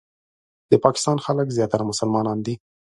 د پاکستان خلک زیاتره مسلمانان دي.